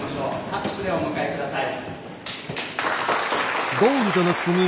拍手でお迎え下さい。